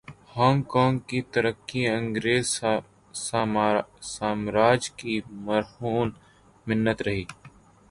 Hong Kong کی ترقی انگریز سامراج کی مرہون منت رہی۔